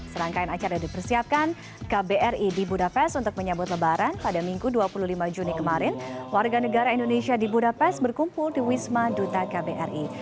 serangkaian acara dipersiapkan kbri di budapest untuk menyambut lebaran pada minggu dua puluh lima juni kemarin warga negara indonesia di budapest berkumpul di wisma duta kbri